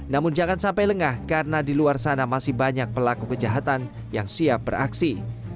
namun jangan sampai lengah karena di luar sana masih banyak pelaku kejahatan yang siap beraksi